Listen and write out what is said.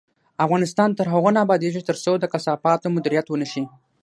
افغانستان تر هغو نه ابادیږي، ترڅو د کثافاتو مدیریت ونشي.